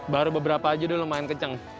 baru beberapa aja udah lumayan kencang